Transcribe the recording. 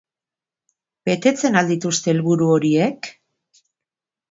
Betetzen al dituzte helburu horiek?